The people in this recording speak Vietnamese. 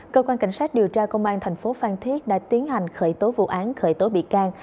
cơ quan cảnh sát điều tra công an thành phố phan thiết đã tiến hành khởi tố vụ án khởi tố bị can